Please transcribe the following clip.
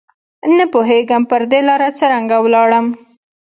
نه پوهېږم پر دې لاره څرنګه ولاړم